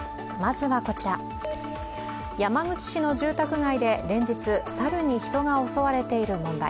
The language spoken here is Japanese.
山口市の住宅街で連日、サルに人が襲われている問題